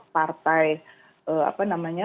partai apa namanya